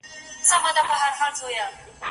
شاګرد د موضوع ستونزي څنګه درک کوي؟